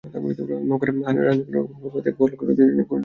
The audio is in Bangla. নওগাঁর রানীনগরে গতকাল মঙ্গলবার রাতে গোয়ালঘর থেকে তিনটি গরু চুরির ঘটনা ঘটেছে।